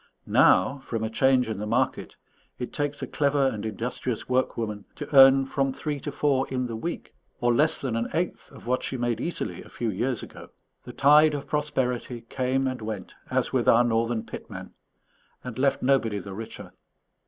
Now, from a change in the market, it takes a clever and industrious workwoman to earn from three to four in the week, or less than an eighth of what she made easily a few years ago. The tide of prosperity came and went, as with our northern pitmen, and left nobody the richer.